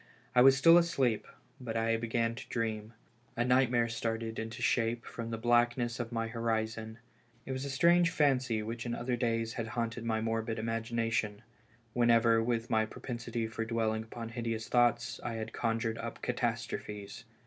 I was still asleep, but I began to dream ; a nightmare started into shape from the blackness of my horizon ; it was a strange fancy which in other days had haunted my morbid imagination, whenever with my propensity for dwelling upon hideous thoughts I had conjured up catastrophes.